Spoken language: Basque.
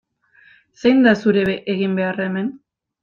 Zein da zure eginbeharra hemen?